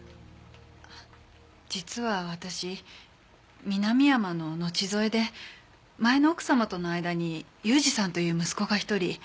実は私南山の後添えで前の奥様との間に勇司さんという息子が１人。